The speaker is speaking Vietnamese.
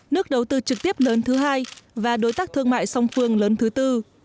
nước đầu tư trực tiếp lớn thứ hai và đối tác thương mại song phương lớn thứ tư